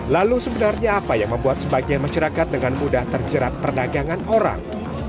lalu sebenarnya apa yang membuat sebagian masyarakat dengan mudah terjerat perdagangan orang